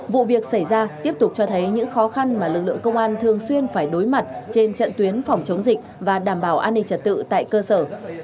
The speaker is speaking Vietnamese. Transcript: vụ việc xảy ra tiếp tục cho thấy những khó khăn mà lực lượng công an thường xuyên phải đối mặt trên trận tuyến phòng chống dịch và đảm bảo an ninh trật tự tại cơ sở